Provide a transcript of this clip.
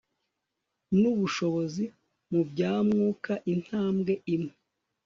nubushobozi mu bya Mwuka Intambwe imwe